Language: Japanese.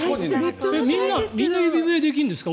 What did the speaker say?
みんな指笛できるんですか？